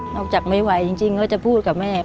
นอกจากไม่ไหวจริงแล้วจะพูดกับแม่